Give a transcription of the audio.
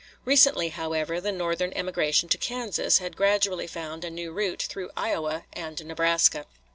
Recently, however, the Northern emigration to Kansas had gradually found a new route through Iowa and Nebraska.